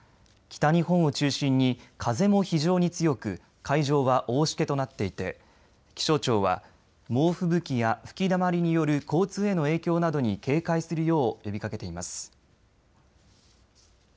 北日本を中心に風も非常に強く海上は大しけとなっていて気象庁は猛吹雪や吹きだまりによる交通への影響などに警戒するよう呼びかけています。